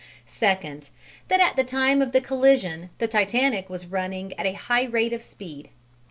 Second, that at the time of the collision the Titanic was running at a high rate of speed.